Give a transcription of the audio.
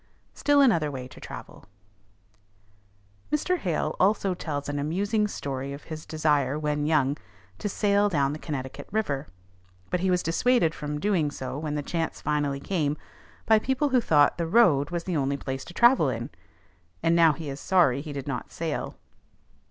STILL ANOTHER WAY TO TRAVEL. Mr. Hale also tells an amusing story of his desire when young to sail down the Connecticut River; but he was dissuaded from doing so when the chance finally came, by people who thought the road was the only place to travel in. And now he is sorry he did not sail.